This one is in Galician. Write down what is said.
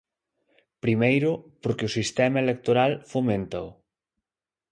Primeiro porque o sistema electoral foméntao.